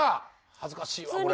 恥ずかしいわこれ。